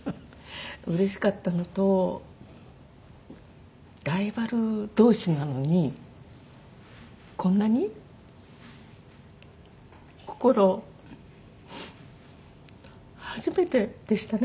うれしかったのとライバル同士なのにこんなに心初めてでしたね。